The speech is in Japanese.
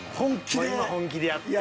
本気でやって。